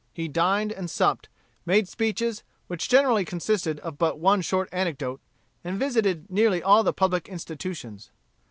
He dined and supped, made speeches, which generally consisted of but one short anecdote, and visited nearly all the public institutions.